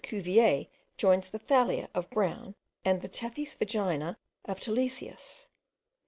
Cuvier joins the Thalia of Brown, and the Tethys vagina of Tilesius.